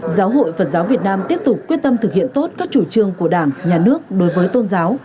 giáo hội phật giáo việt nam tiếp tục quyết tâm thực hiện tốt các chủ trương của đảng nhà nước đối với tôn giáo